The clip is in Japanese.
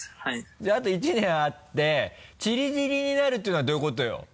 じゃああと１年あって散り散りになるっていうのはどういうことよ？